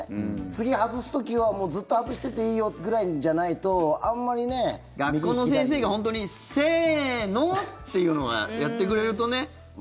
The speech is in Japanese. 次、外す時は、もうずっと外してていいよぐらいじゃないと学校の先生が本当にせーの！っていうのをやってくれるとね。